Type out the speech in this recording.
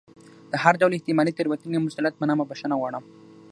د هر ډول احتمالي تېروتنې مسؤلیت منم او بښنه غواړم.